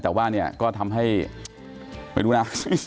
แต่ว่าเนี่ยก็ทำให้ไม่รู้นะ